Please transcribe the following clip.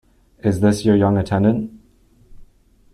Is this your young attendant?